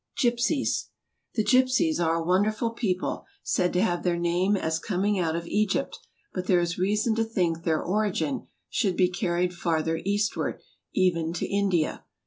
Gipsies. The gipsies are a wonderful people, said to have their name as coming out of Egypt, but there is reason to think their origin should be carried farther eastward, even to India.